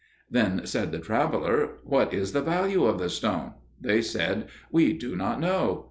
Then said the traveller, "What is the value of the stone?" They said, "We do not know."